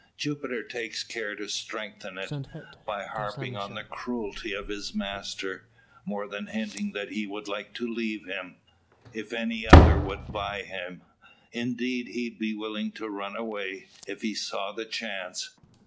Jupiter takes care to strengthen it, by harping on the cruelty of his master more than hinting that he would like to leave him, if any other would but buy him. Indeed he'd be willing to run away, if he saw the chance.